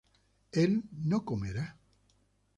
él no comerá